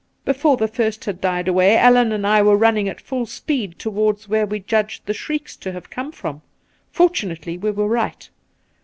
Before the first had died away Allan and I were running at full speed towards where we judged the shrieks to have come from. Fortunately we were right.